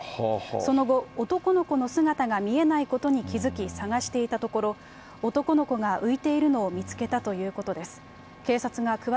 その後、男の子の姿が見えないことに気付き、捜していたところ、男の子が浮いているのを見つけたということです。